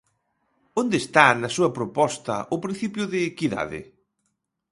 ¿Onde está, na súa proposta, o principio de equidade?